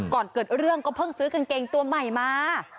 ก่อนเกิดเรื่องก็เพิ่งซื้อกางเกงตัวใหม่มา